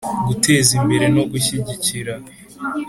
Guteza imbere no gushyigikira